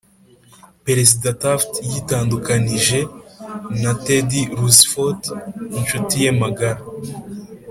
perezida taft yitandukanije na teddy roosevelt - inshuti ye magara